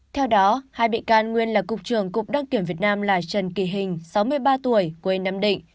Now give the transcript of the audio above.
theo đó hai bị can nguyên là cục trưởng cục đăng kiểm việt nam là trần kỳ hình sáu mươi ba tuổi quê nam định